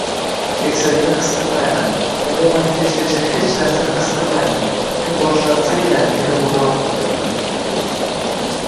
Keksalikni his qilmayman. Umuman, kechgacha hech narsani his qilmayman. Tun boshlansagina meni mudroq bosadi.